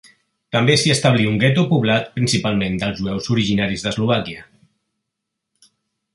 També s'hi establí un gueto poblat principalment de jueus originaris d'Eslovàquia.